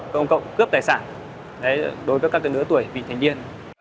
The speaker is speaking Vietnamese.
chúng tôi sẽ